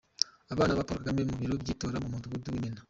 Abana ba Paul Kagame ku biro by'itora mu mudugudu w'Imena.